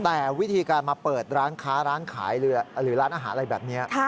แต่วิธีการมาเปิดร้านค้าร้านขายหรือร้านอาหารอะไรแบบนี้